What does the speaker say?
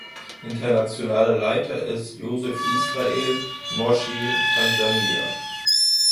Internationaler Leiter ist Joseph Israel, Moshi, Tansania.